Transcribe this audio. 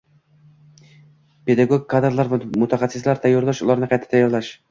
pedagog kadrlar va mutaxassislar tayyorlash, ularni qayta tayyorlash